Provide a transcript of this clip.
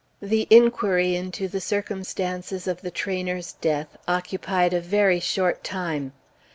The inquiry into the circumstances of the trainer's death occupied a very short time.